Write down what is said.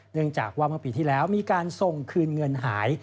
เนื่องจากว่าเมื่อปีที่แล้วมีการส่งคืนเงินหาย